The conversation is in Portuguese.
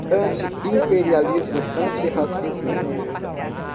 Anti-imperialismo, antirracismo